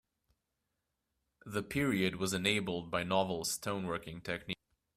The period was enabled by novel stone working techniques.